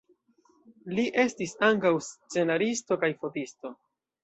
Li estis ankaŭ scenaristo kaj fotisto.